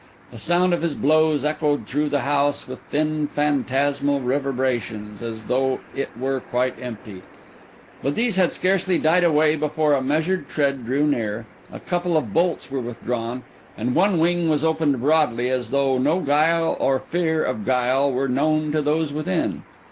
The sound of his blows echoed through the house with thin, phantasmal reverberations, as though it were quite empty; but these had scarcely died away before a measured tread drew near, a couple of bolts were withdrawn, and one wing was opened broadly, as though no guile or fear of guile were known to those within.